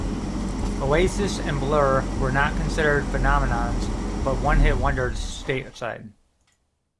Oasis and Blur were not considered phenomenons but one-hit wonders stateside.